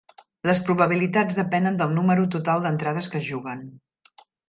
Les probabilitats depenen del número total d'entrades que es juguen.